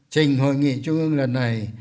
trình hội nghị trung ương lần này